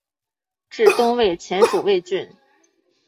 至东魏前属魏郡。